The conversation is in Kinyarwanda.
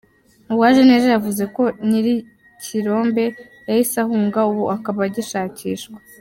Uwajeneza yavuze ko nyir’ikirombe yahise ahunga ubu akaba agishakishwa.